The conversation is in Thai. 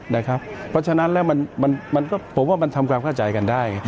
เพราะฉะนั้นแล้วผมว่ามันทำความเข้าใจกันได้